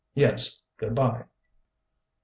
Yes. Good bye."